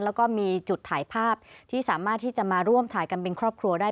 แล้วก็มีจุดถ่ายภาพที่สามารถที่จะมาร่วมถ่ายกันเป็นครอบครัวได้